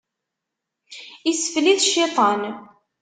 Isfel-it cciṭan.